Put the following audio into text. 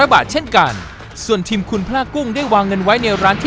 บาทเช่นกันส่วนทีมคุณพลากุ้งได้วางเงินไว้ในร้านที่